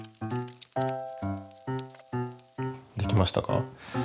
できましたか？